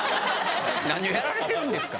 何をやられてるんですか。